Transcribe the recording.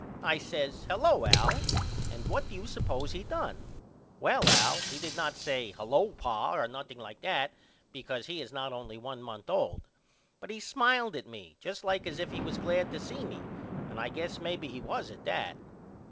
I says Hello Al and what do you suppose he done. Well Al he did not say Hello pa or nothing like that because he is not only one month old. But he smiled at me just like as if he was glad to see me and I guess maybe he was at that.